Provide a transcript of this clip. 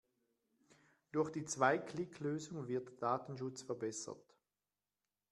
Durch die Zwei-Klick-Lösung wird der Datenschutz verbessert.